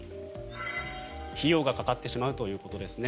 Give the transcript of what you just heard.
費用がかかってしまうということですね。